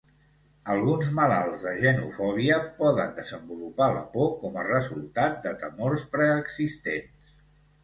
Alguns malalts de genofòbia poden desenvolupar la por com a resultat de temors preexistents.